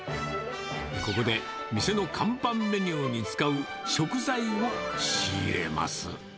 ここで店の看板メニューに使う食材を仕入れます。